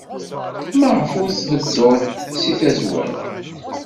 Maɣef ur d-tbeddud seg tazwara?